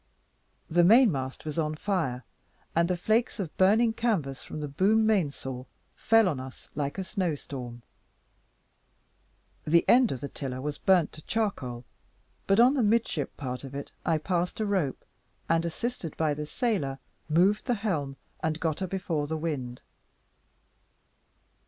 The main mast was on fire, and the flakes of burning canvas from the boom mainsail fell on us like a snow storm; the end of the tiller was burnt to charcoal, but on the midship part of it I passed a rope, and, assisted by the sailor, moved the helm, and got her before the wind.